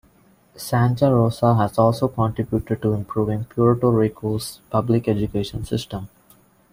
Santa Rosa has also contributed to improving Puerto Rico's public education system.